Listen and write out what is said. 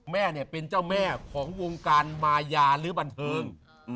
แม่เนี่ยเป็นเจ้าแม่ของวงการมายาหรือบันเทิง